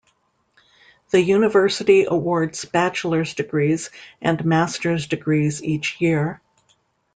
The university awards bachelor's degrees and master's degrees each year.